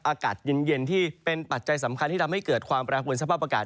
อากาศเย็นที่เป็นปัจจัยสำคัญที่ทำให้เกิดความแปรปวนสภาพอากาศ